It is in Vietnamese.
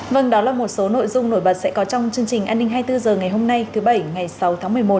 vâng đó là một số nội dung nổi bật sẽ có trong chương trình an ninh hai mươi bốn h ngày hôm nay thứ bảy ngày sáu tháng một mươi một